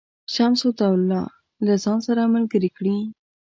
شمس الدوله له ځان سره ملګري کړي.